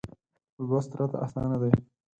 لوست راته اسانه دی.